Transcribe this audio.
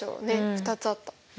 ２つあった。